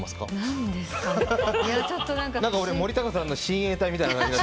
俺森高さんの親衛隊みたいな感じ。